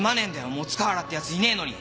もう塚原って奴いねえのに！